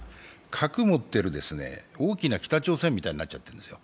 核を持ってる大きな北朝鮮みたいになっちゃってるんですよ。